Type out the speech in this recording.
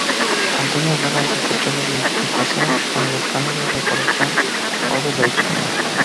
Antonio Guerra es sospechoso de implicación en el escándalo de corrupción Odebrecht.